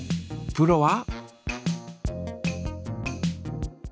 プロは？